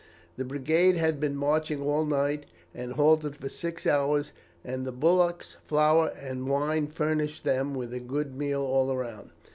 The brigade had been marching all night, and halted for six hours, and the bullocks, flour, and wine furnished them with a good meal all round.